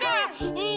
うん。